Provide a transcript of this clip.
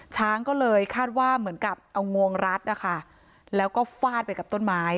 ช้างก็เลยคาดว่าเหมือนกับเอางวงรัดนะคะแล้วก็ฟาดไปกับต้นไม้